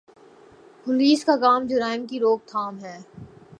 Police کا کام جرائم کی روک تھام ہے۔